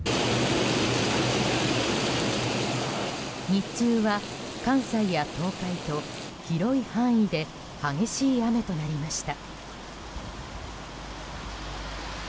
日中は、関西や東海と広い範囲で激しい雨となりました。